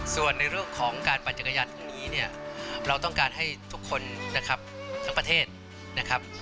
ส่วนในเรื่องของการปั่นจักรยานตรงนี้เนี่ยเราต้องการให้ทุกคนนะครับทั้งประเทศนะครับ